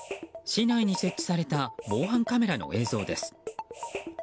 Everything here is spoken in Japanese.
市内に設置された防犯カメラの映像です。